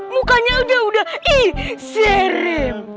mukanya udah udah sering